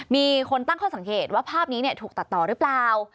มีคนตั้งข้อสังเกตว่าภาพนี้ถูกตัดต่อหรือเปล่า